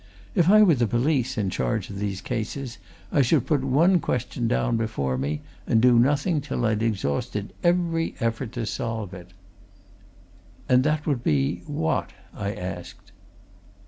If I were the police in charge of these cases, I should put one question down before me and do nothing until I'd exhausted every effort to solve it." "And that would be what?" I asked.